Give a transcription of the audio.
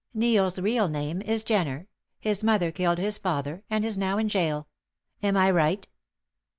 Neil's real name is Jenner; his mother killed his father, and is now in gaol. Am I right?"